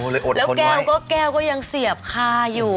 แล้วแก้วก็ยังเสียบคาอยู่